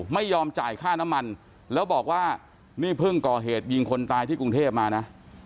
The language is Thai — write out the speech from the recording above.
ไม่ยอมจ่ายค่าน้ำมันแล้วบอกว่านี่เพิ่งก่อเหตุยิงคนตายที่กรุงเทพมานะ